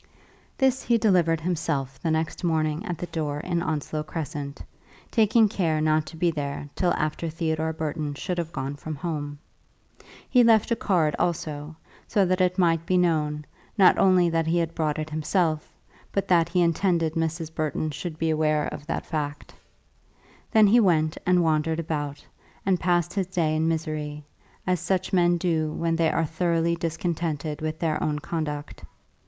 This he delivered himself the next morning at the door in Onslow Crescent, taking care not to be there till after Theodore Burton should have gone from home. He left a card also, so that it might be known, not only that he had brought it himself, but that he had intended Mrs. Burton to be aware of that fact. Then he went and wandered about, and passed his day in misery, as such men do when they are thoroughly discontented with their own conduct.